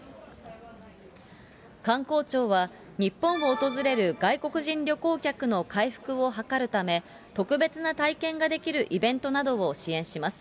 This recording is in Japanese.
観光庁は、日本を訪れる外国人旅行客の回復を図るため、特別な体験ができるイベントなどを支援します。